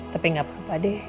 tapi gak apa apa deh